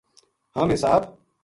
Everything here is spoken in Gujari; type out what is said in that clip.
ہم حساب